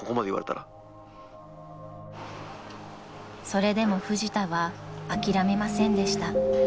［それでもフジタは諦めませんでした］